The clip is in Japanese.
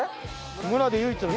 村で唯一の？